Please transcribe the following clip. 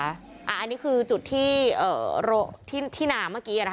อ่าอันนี้คือจุดที่เอ่อที่ที่น้ำเมื่อกี้อ่ะนะคะ